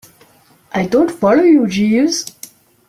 I don't follow you, Jeeves.